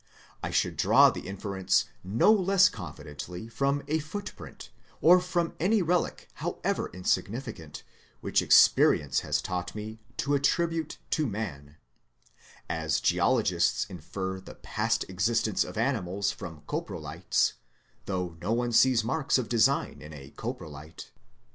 I should draw the in ference no less confidently from a foot print, or from any relic however insignificant which experience has taught me to attribute to man : as geologists infer the past existence of animals from coprolites, though no one sees marks of design in a coprolite.